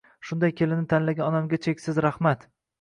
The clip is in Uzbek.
Shunday kelinni tanlagan onamga cheksiz rahmat!